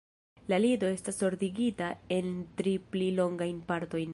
La lido estas ordigita en tri pli longajn partojn.